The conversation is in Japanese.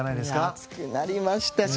熱くなりましたし